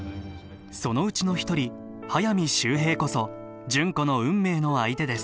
そのうちの一人速水秀平こそ純子の運命の相手です